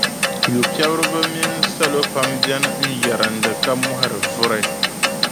yupiɛbiriba mini salo pam bɛni n-yɛrindi ka mɔhiri vuri.